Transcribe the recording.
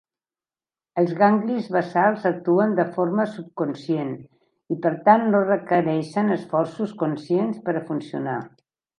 Els ganglis basals actuen de forma subconscient i, per tant, no requereixen esforços conscients per a funcionar.